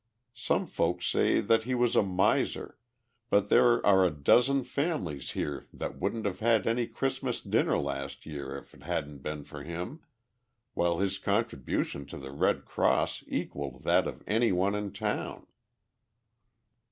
Some folks say that he was a miser, but there are a dozen families here that wouldn't have had any Christmas dinner last year if it hadn't been for him while his contribution to the Red Cross equaled that of anyone in town."